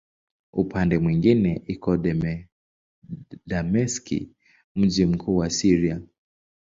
Upande mwingine iko Dameski, mji mkuu wa Syria.